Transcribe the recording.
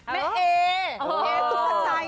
แม่เอเอสุภาจัย